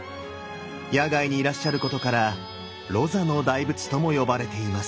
野外にいらっしゃることから「露坐の大仏」とも呼ばれています。